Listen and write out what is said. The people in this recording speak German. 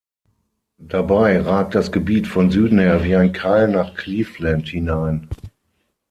Dabei ragt das Gebiet von Süden her wie ein Keil nach Cleveland hinein.